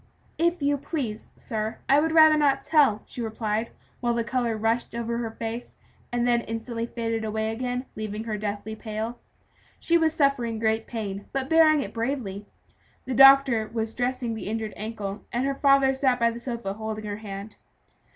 "If you please, sir, I would rather not tell," she replied, while the color rushed over her face, and then instantly faded away again, leaving her deathly pale. She was suffering great pain, but bearing it bravely. The doctor was dressing the injured ankle, and her father sat by the sofa holding her hand.